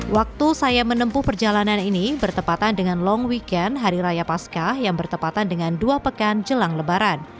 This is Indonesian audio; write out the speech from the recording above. waktu saya menempuh perjalanan ini bertepatan dengan long weekend hari raya pasca yang bertepatan dengan dua pekan jelang lebaran